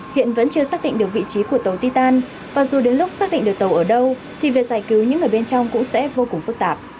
hiện vẫn chưa xác định được vị trí của tàu titan và dù đến lúc xác định được tàu ở đâu thì việc giải cứu những người bên trong cũng sẽ vô cùng phức tạp